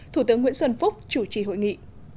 thủ tướng nguyễn xuân phúc chủ trì hội nghị